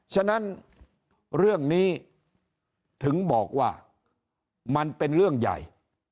ฉะนั้นเรื่องนี้ถึงบอกว่ามันเป็นเรื่องใหญ่